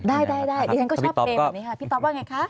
ได้ได้ดิฉันก็ชอบเพลงแบบนี้ค่ะพี่ต๊อปว่าไงคะ